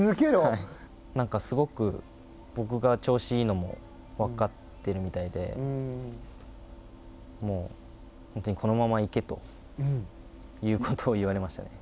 なんかすごく僕が調子いいのも分かってるみたいで、もう本当にこのまま行け、ということを言われましたね。